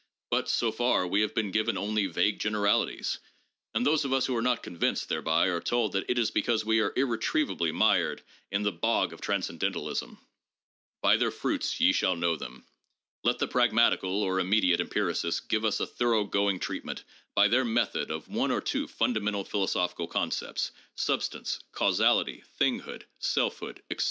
But, so far, we have been given only vague generalities, and those of us who are not con vinced thereby are told that it is because we are irretrievably mired in the bog of transcendentalism. 'By their fruits ye shall know them.' Let the pragmatical, or immediate, empiricists give us a thoroughgoing treatment by their method of one or two fundamental philosophical concepts, substance, causality, thinghood, selfhood, etc.